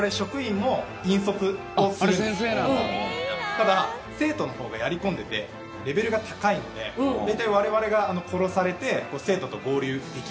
ただ生徒の方がやり込んでいてレベルが高いので大体我々が殺されて生徒と合流できないみたいな。